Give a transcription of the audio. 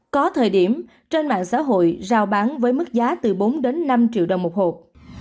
có thời điểm trên mạng xã hội rào bán với mức giá từ bốn đến năm triệu đồng một hộp